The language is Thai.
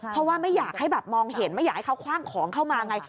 เพราะว่าไม่อยากให้แบบมองเห็นไม่อยากให้เขาคว่างของเข้ามาไง